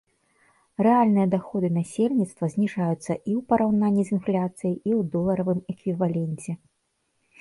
Рэальныя даходы насельніцтва зніжаюцца і ў параўнанні з інфляцыяй, і ў доларавым эквіваленце.